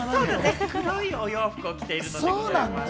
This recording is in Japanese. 黒いお洋服を着てるんでございます。